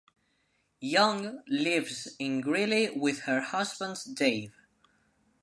Young lives in Greeley with her husband Dave.